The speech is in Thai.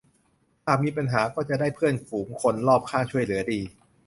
หากมีปัญหาก็จะได้เพื่อนฝูงคนรอบข้างช่วยเหลือดี